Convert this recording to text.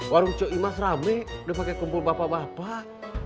warung toko emas rame udah pake kumpul bapak bapak